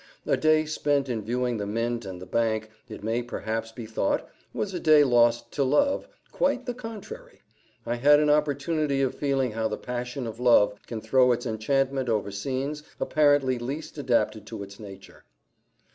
A day spent in viewing the Mint and the Bank, it may perhaps be thought, was a day lost to love quite the contrary; I had an opportunity of feeling how the passion of love can throw its enchantment over scenes apparently least adapted to its nature.